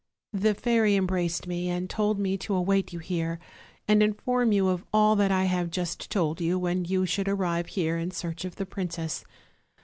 The fairy embraced me, and told me to await you here, and inform you of all that I have just told you when you should arrive here in search of the princess.